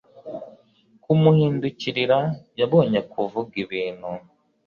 Kumuhindukirira Yabonye kuvuga ibintu